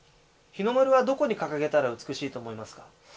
日の丸はどこに掲げたら美しいと思いますか？